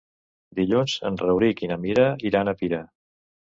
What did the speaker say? Dilluns en Rauric i na Mira iran a Pira.